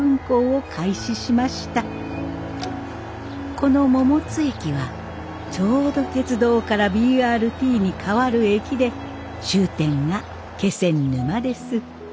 この桃津駅はちょうど鉄道からＢＲＴにかわる駅で終点が気仙沼です。